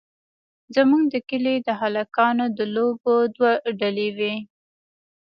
زموږ د کلي د هلکانو د لوبو دوه ډلې وې.